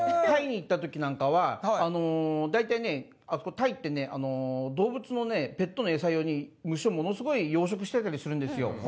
タイに行ったときなんかは大体ねあそこタイってね動物のねペットのエサ用に虫をものすごい養殖してたりするんですよ。